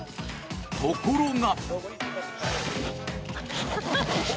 ところが。